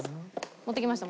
持ってきました。